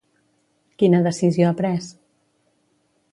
Quina decisió ha pres?